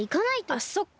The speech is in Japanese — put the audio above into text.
あっそっか。